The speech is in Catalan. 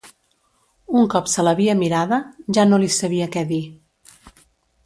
Un cop se l'havia mirada, ja no li sabia què dir